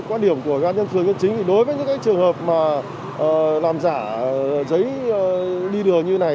quá điểm của cá nhân phương cân chính thì đối với những cái trường hợp mà làm giả giấy đi đường như này